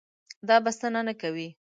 دا بسنه نه کوي.